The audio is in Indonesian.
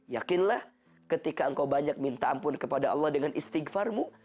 yakinlah ketika engkau banyak minta ampun kepada allah dengan istighfarmu